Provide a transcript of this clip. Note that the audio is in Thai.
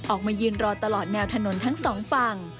ออกมายืนรอตลอดแนวถนนทั้งสองฝั่ง